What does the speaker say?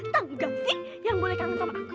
tahu gak sih yang boleh kangen sama aku